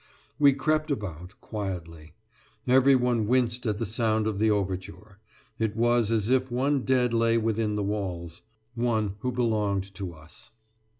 We crept about, quietly. Every one winced at the sound of the overture. It was as if one dead lay within the walls one who belonged to us.